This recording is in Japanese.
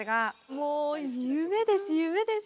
もう夢です夢です。